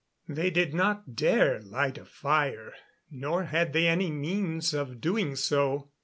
They did not dare light a fire, nor had they any means of doing so.